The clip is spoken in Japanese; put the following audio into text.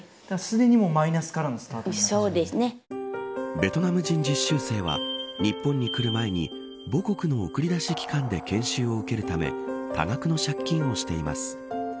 ベトナム人実習生には日本に来る前に、母国の送り出し機関で研修を受けるため多額の借金をしています。